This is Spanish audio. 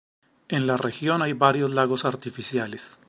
En la región hay varios lagos artificiales.